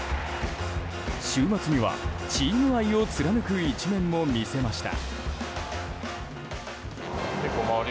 週末にはチーム愛を貫く一面も見せました。